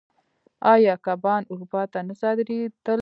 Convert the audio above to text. آیا کبان اروپا ته نه صادرېدل؟